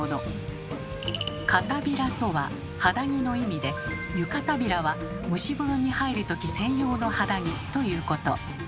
「帷子」とは肌着の意味で「湯帷子」は蒸し風呂に入るとき専用の肌着ということ。